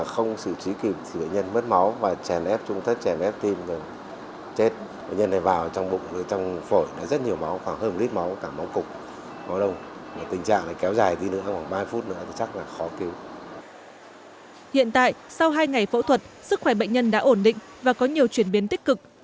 hiện tại sau hai ngày phẫu thuật sức khỏe bệnh nhân đã ổn định và có nhiều chuyển biến tích cực